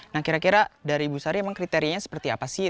nah kira kira dari ibu sari memang kriterianya seperti apa sih